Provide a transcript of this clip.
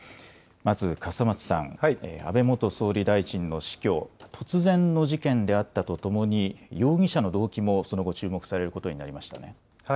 まず、笠松さん、安倍元総理大臣の死去、突然の事件であったとともに、容疑者の動機もその後、注目されることになりましたね。